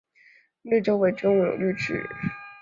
墓地周围种有绿植。